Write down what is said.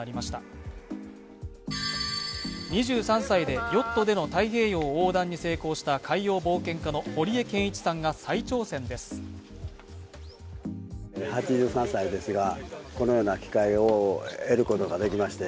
２３歳でヨットでの太平洋横断に成功した海洋冒険家の堀江謙一さんが再挑戦です。